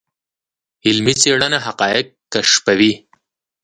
علمي څېړنه حقایق کشفوي.